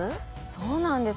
そうなんです。